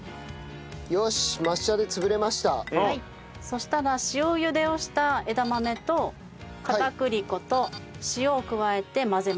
そしたら塩茹でをした枝豆と片栗粉と塩を加えて混ぜます。